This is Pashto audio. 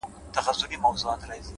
هره تجربه د پوهې رڼا زیاتوي’